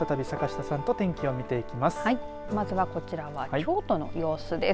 まずはこちらは京都の様子です。